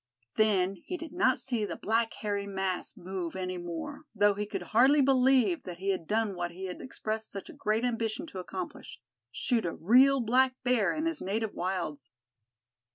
Then he did not see the black hairy mass move any more, though he could hardly believe that he had done what he had expressed such a great ambition to accomplish—shoot a real black bear in his native wilds.